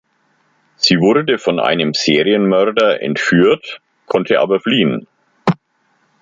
Sie wurde von einem Serienmörder entführt, konnte aber fliehen.